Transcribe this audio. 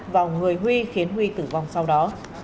và người huy khiến huy tử vong sau đó